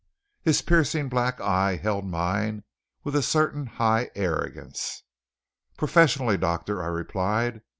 His piercing black eye held mine with a certain high arrogance. "Professionally, doctor," I replied.